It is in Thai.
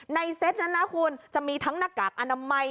เซตนั้นนะคุณจะมีทั้งหน้ากากอนามัย